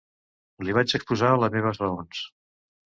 Li vaig exposar les meves raons.